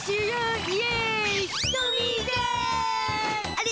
あれ？